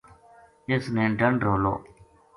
اس نے ڈَنڈ رولو